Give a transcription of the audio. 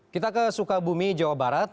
kita ke sukabumi jawa barat